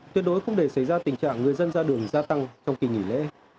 tuyệt đối không để xảy ra tình trạng người dân ra đường gia tăng trong kỳ nghỉ lễ